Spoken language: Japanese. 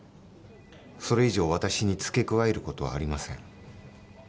それ以上私に付け加える事はありません。